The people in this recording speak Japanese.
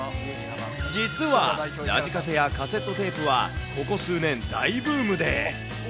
実は、ラジカセやカセットテープはここ数年、大ブームで。